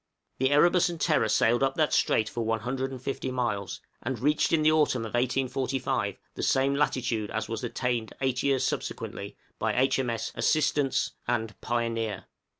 The 'Erebus' and 'Terror' sailed up that strait for one hundred and fifty miles, and reached in the autumn of 1845 the same latitude as was attained eight years subsequently by H.M.S. 'Assistance' and 'Pioneer.'